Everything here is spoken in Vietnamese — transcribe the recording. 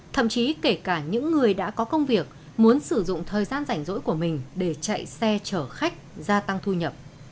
thậm chí kể cả những người đã có công việc muốn sử dụng thời gian rảnh rỗi của mình để chạy xe chở khách gia tăng thu nhập